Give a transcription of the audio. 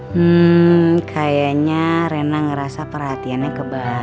hmm kayaknya rena ngerasa perhatiannya kebagi deh nih